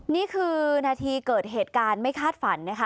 นี่คือนาทีเกิดเหตุการณ์ไม่คาดฝันนะคะ